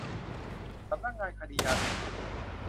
สำนักงานคดียาเสพติด